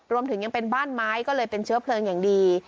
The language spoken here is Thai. รวมถึงยังเป็นบ้านไม้ก็เลยเป็นเชื้อเพลิงอย่างดี